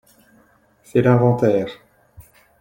C’est l’inventaire